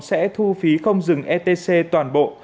sẽ thu phí không dừng etc toàn bộ